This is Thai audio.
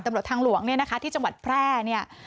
ตำรวจทางหลวงที่จังหวัดแพร่